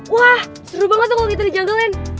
wah seru banget tuh kalo kita dijanggilan